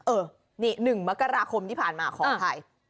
เออนี่๑มกราคมที่ผ่านมาขออภัย